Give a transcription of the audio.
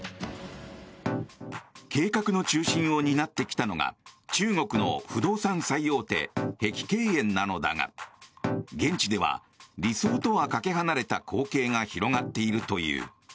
計画の中心を担ってきたのが中国の不動産最大手碧桂園なのだが現地では、理想とはかけ離れた光景が広がっているという。